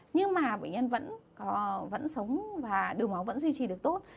nhưng mà bệnh nhân vẫn sống và đường máu vẫn duy trì được tốt